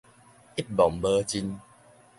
一望無盡